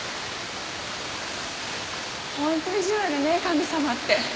本当意地悪ね神様って。